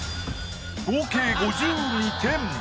合計５２点。